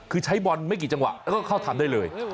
คือใช้บอลไม่กี่จังหวะแล้วก็เข้าทำได้เลย